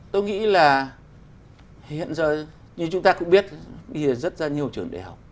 tôi nghĩ là hiện giờ như chúng ta cũng biết bây giờ rất ra nhiều trường đại học